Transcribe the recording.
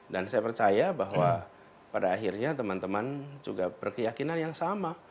dan saya percaya bahwa pada akhirnya teman teman juga berkeyakinan yang sama